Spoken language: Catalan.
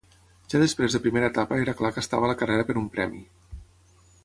Ja després de primera etapa era clar que estava a la carrera per un premi.